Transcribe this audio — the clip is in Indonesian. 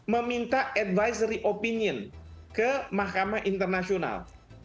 meminta advisory opinion ke mahkamah internasional